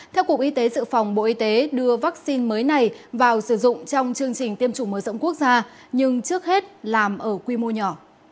theo cục y tế dự phòng bộ y tế đưa vaccine mới này vào sử dụng trong chương trình tiêm chủng mở rộng quốc gia nhưng trước hết làm ở quy mô nhỏ